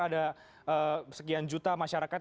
ada sekian juta masyarakat